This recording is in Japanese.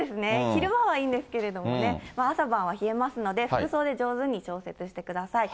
昼間はいいんですけどね、朝晩は冷えますので、服装で上手に調節してください。